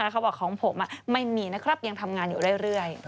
เขาบอกของผมไม่มีนะครับยังทำงานอยู่เรื่อย